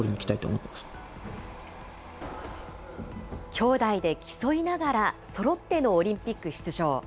兄弟で競いながらそろってのオリンピック出場。